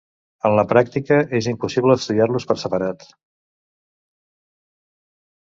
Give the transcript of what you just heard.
En la pràctica és impossible estudiar-los per separat.